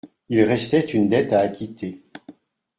Il restait une dette à acquitter.